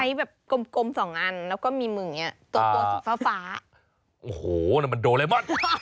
อันนี้แบบกลม๒อันแล้วก็มีมึงเนี้ยตัวตัวฟ้าโอ้โหนั่นมันโดเรมอน